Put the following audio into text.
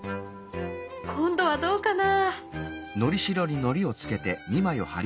今度はどうかな？